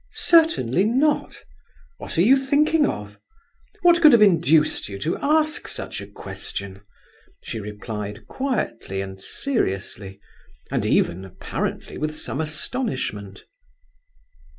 "Certainly not; what are you thinking of? What could have induced you to ask such a question?" she replied, quietly and seriously, and even, apparently, with some astonishment.